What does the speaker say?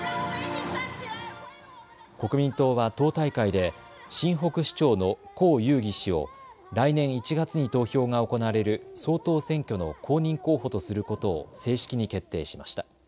国民党は党大会で新北市長の侯友宜氏を来年１月に投票が行われる総統選挙の公認候補とすることを正式に決定しました。